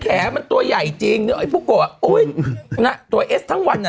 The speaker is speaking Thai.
แขมันตัวใหญ่จริงไอ้ปุ๊กโกะอุ้ยน่ะตัวเอสทั้งวันอ่ะ